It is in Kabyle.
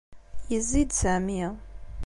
Yezzi-d Sami.